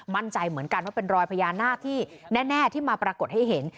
มั่นใจเหมือนกันว่าเป็นรอยพญานาคที่แน่ที่มาปรากฏให้เห็น